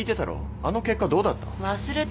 あの結果どうだった？